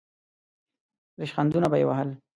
ریشخندونه به یې وهل.